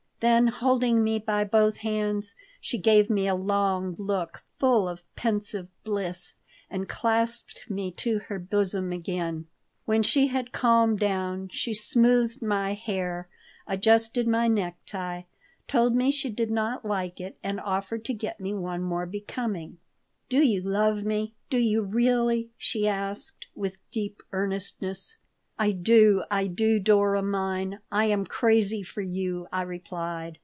Then, holding me by both hands, she gave me a long look full of pensive bliss and clasped me to her bosom again. When she had calmed down she smoothed my hair, adjusted my necktie, told me she did not like it and offered to get me one more becoming "Do you love me? Do you really?" she asked, with deep earnestness "I do, I do. Dora mine, I am crazy for you," I replied.